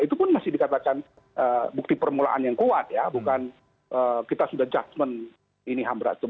itu pun masih dikatakan bukti permulaan yang kuat ya bukan kita sudah jasmen ini ham berat atau tidak